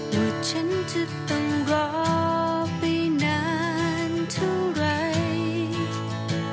ว่าฉันจะต้องรอไปนานเท่าไหร่